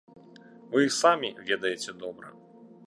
Вы іх самі ведаеце добра.